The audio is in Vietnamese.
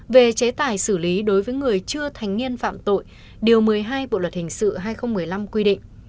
về chế tài xử lý đối với người chưa thành niên phạm tội điều một mươi hai bộ luật hình sự hai nghìn một mươi năm quy định